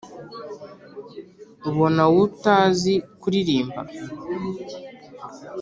ubona wowe atazi kuririmba